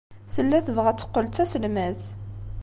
Tella tebɣa ad teqqel d taselmadt.